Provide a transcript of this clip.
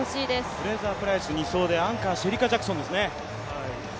フレイザープライス２走でアンカーはシェリカ・ジャクソンですね。